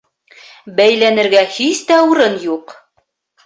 Бәйләнергә һис тә урын юҡ.